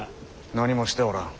何もしておらん。